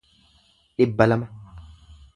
dhibba lama